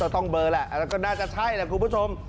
ต้องเบอร์และก็น่าจะใช่ครับคุณผู้ชม